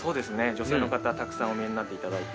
女性の方たくさんお見えになって頂いて。